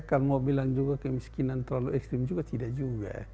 kalau mau bilang juga kemiskinan terlalu ekstrim juga tidak juga